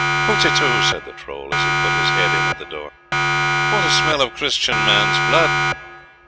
"HUTETU," said the Troll, as he put his head in at the door, "what a smell of Christian man's blood!"